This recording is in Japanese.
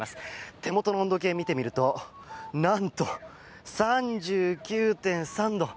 手元の温度計を見てみるとなんと３９．３度。